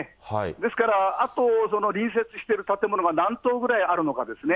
ですから、あと隣接してる建物が何棟ぐらいあるのかですね。